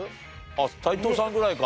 斎藤さんぐらいか。